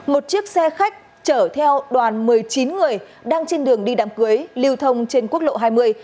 một chiếc xe khách chở theo đoàn một mươi chín người đang trên đường đi đám cưới lưu thông trên quốc lộ hai mươi